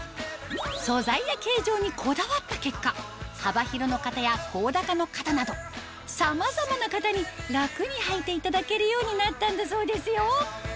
素材や形状にこだわった結果幅広の方や甲高の方などさまざまな方に楽に履いていただけるようになったんだそうですよ